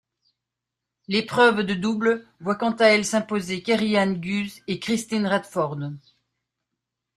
L'épreuve de double voit quant à elle s'imposer Kerry-Anne Guse et Kristine Radford.